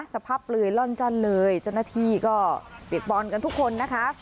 สภาพเลยร่อนจันเลยเจ้าหน้าที่ก็เปียกบอลกันทุกคนนะคะ